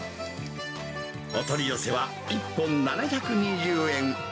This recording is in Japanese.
お取り寄せは１本７２０円。